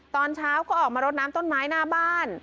ตอนเช้าก็ออกมารดน้ำต้นไม้หน้าบ้าน